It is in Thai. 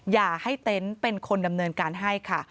อย่าให้เต็นต์เป็นคนดำเนินการให้ค่ะ